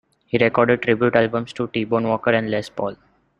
He recorded tribute albums to T-Bone Walker and Les Paul.